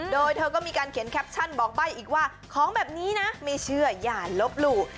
โดยเธอก็มีการเขียนแคปชั่นบอกใบ้อีกว่าของแบบนี้นะไม่เชื่ออย่าลบหลู่